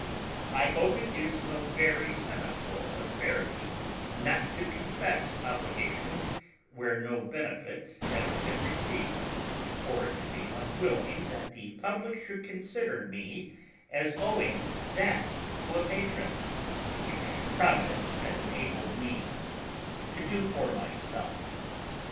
I hope it is no very cynical asperity not to confess obligations where no benefit has been received, or to be unwilling that the Public should consider me as owing that to a Patron, which Providence has enabled me to do for myself.